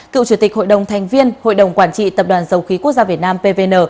cựu chủ tịch hội đồng thành viên hội đồng quản trị tập đoàn dầu khí quốc gia việt nam pvn